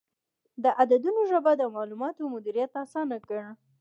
د عددونو ژبه د معلوماتو مدیریت اسانه کړ.